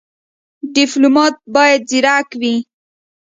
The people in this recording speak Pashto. ډيپلومات بايد ځيرک وي.